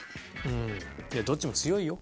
うんどっちも強いよ。